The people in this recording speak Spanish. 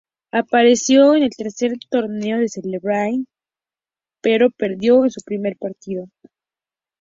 Apareció en el tercer torneo de "Celebrity Poker", pero perdió en su primer partido.